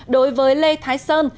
đối với lê thái sơn